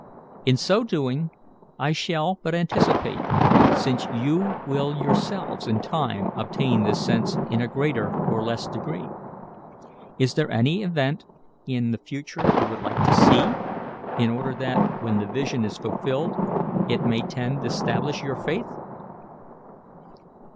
In so doing, I shall but anticipate, since you will yourselves in time obtain this sense in a greater or less degree. Is there any event in the future you would like to see, in order that, when the vision is fulfilled, it may tend to stablish your faith?"